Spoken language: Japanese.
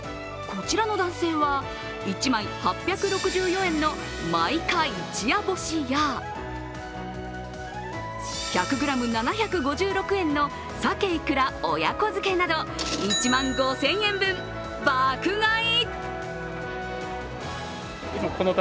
こちらの男性は１枚８４６円の真イカ一夜干しや１００ｇ７５６円の鮭いくら親子漬けなど１万５０００円分爆買い！